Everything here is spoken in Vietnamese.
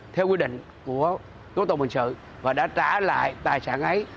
theo quy định của tổ tổng bình sự và đã trả lại tài sản ấy